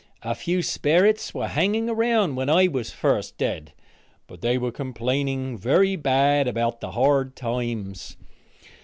A few sperrits were hanging around when I was first dead, but they were complaining very bad about the hard times.